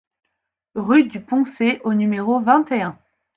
Rue du Poncé au numéro vingt et un